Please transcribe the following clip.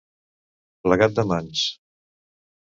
Plegat de mans.